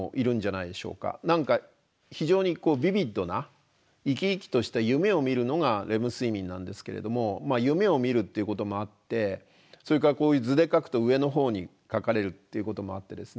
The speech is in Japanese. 何か非常にビビッドな生き生きとした夢を見るのがレム睡眠なんですけれども夢を見るっていうこともあってそれからこういう図で描くと上のほうに描かれるっていうこともあってですね